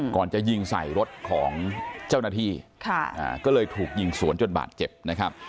ก่อนจะยิงใส่รถของเจ้าหน้าที่ก็เลยถูกยิงสวนจนบาดเจ็บนะครับ